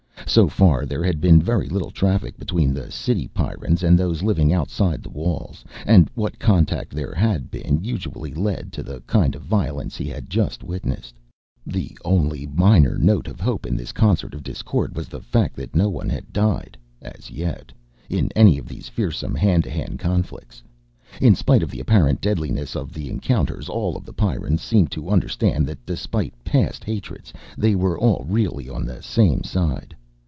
So far there had been very little traffic between the city Pyrrans and those living outside the walls, and what contact there had been usually led to the kind of violence he had just witnessed. The only minor note of hope in this concert of discord was the fact that no one had died as yet in any of these fearsome hand to hand conflicts. In spite of the apparent deadliness of the encounters all of the Pyrrans seemed to understand that, despite past hatreds, they were all really on the same side.